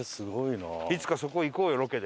いつかそこ行こうよロケで。